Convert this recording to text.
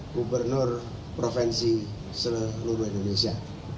tiga puluh tujuh gubernur provinsi seluruh indonesia